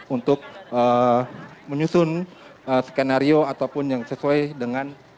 untuk menyusun skenario ataupun yang sesuai dengan